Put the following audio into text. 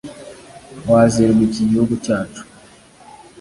wazerwa iki gihugu cyacu